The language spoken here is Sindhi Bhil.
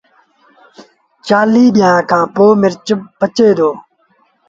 چآليٚه ڏيݩهآݩ کآݩ پو مرچ پچيٚن دآ